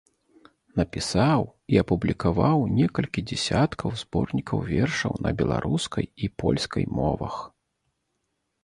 Напісаў і апублікаваў некалькі дзесяткаў зборнікаў вершаў на беларускай і польскай мовах.